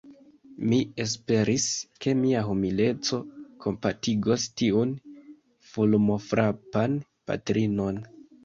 Mi esperis, ke mia humileco kompatigos tiun fulmofrapan patrinon.